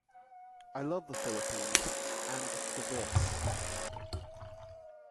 I love the Philippines - and for this...